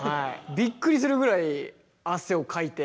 びっくりするぐらい汗をかいて。